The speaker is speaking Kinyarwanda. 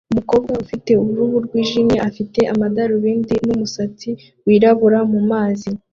Umukobwa ufite uruhu rwijimye ufite amadarubindi n'umusatsi wirabura mumazi